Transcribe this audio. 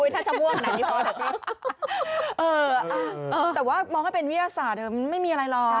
แต่ว่ามองให้เป็นวิทยาศาสตร์เดิมมันไม่มีอะไรหรอก